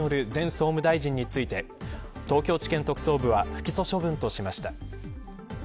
前総務大臣について東京地検特捜部は不起訴処分としました。